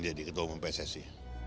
jadi ketua umum pssi